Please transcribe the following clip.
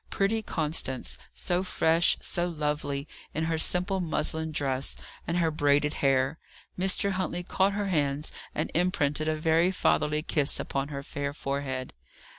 Pretty Constance! so fresh, so lovely, in her simple muslin dress, and her braided hair. Mr. Huntley caught her hands, and imprinted a very fatherly kiss upon her fair forehead.